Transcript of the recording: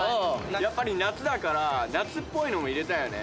やっぱり夏だから夏っぽいのも入れたいよね。